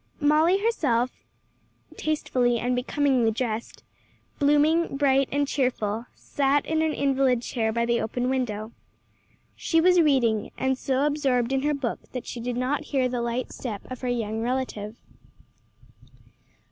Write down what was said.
Molly herself tastefully and becomingly dressed, blooming, bright and cheerful, sat in an invalid chair by the open window. She was reading, and so absorbed in her book that she did not hear the light step of her young relative.